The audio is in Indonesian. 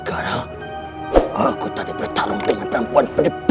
karena aku tidak bertarung dengan perempuan berdebar